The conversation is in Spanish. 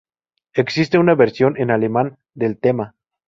Existe una versión en alemán del tema.